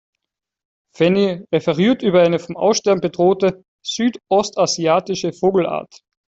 Fanny referiert über eine vom Aussterben bedrohte südostasiatische Vogelart.